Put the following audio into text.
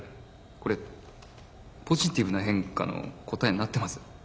これ「ポジティブな変化」の答えになってます？